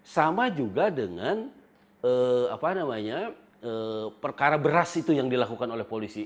sama juga dengan perkara beras itu yang dilakukan oleh polisi